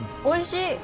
おいしい！